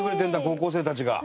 高校生たちが。